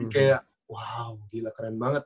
kayak wow gila keren banget